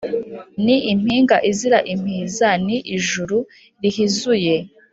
Ni impinga izira impiza Ni ijuru rihizuye